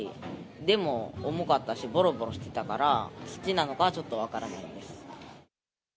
でも重かったし、ぼろぼろしてたから、土なのかちょっと分からないです。